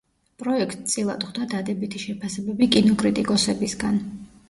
პროექტს წილად ხვდა დადებითი შეფასებები კინოკრიტიკოსებისგან.